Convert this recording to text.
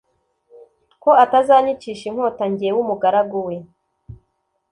ko atazanyicisha inkota jyewe umugaragu we.